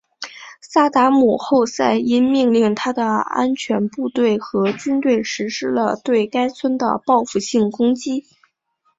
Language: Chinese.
萨达姆侯赛因命令他的安全部队和军队实施了对该村的报复性攻击。